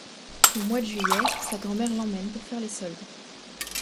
Au mois de juillet, sa grand-mère l'emmène pour faire les soldes.